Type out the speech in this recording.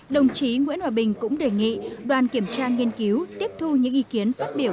đồng chí nguyễn hòa bình cũng đề nghị đoàn kiểm tra nghiên cứu tiếp thu những ý kiến phát biểu